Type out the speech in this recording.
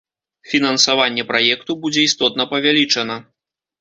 Фінансаванне праекту будзе істотна павялічана.